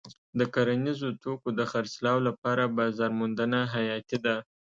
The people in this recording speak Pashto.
د کرنیزو توکو د خرڅلاو لپاره بازار موندنه حیاتي ده.